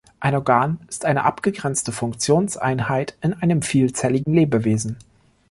Ein Organ ist eine abgegrenzte Funktionseinheit in einem vielzelligen Lebewesen.